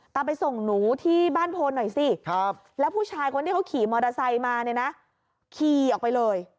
ไปส่งหนูที่บ้านโพนหน่อยสิแล้วผู้ชายคนที่เขาขี่มอเตอร์ไซค์มาเนี่ยนะขี่ออกไปเลย